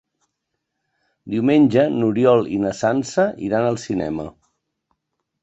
Diumenge n'Oriol i na Sança iran al cinema.